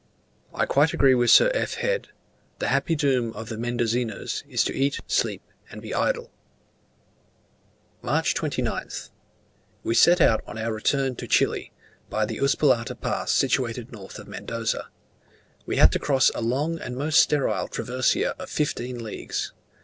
I quite agree with Sir F. Head: the happy doom of the Mendozinos is to eat, sleep and be idle. March 29th. We set out on our return to Chile, by the Uspallata pass situated north of Mendoza. We had to cross a long and most sterile traversia of fifteen leagues.